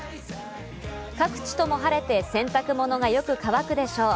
各地とも晴れて洗濯物がよく乾くでしょう。